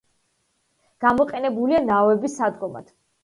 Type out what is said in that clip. გამოყენებულია ნავების სადგომად.